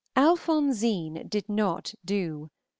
"Alphonsine" did not do.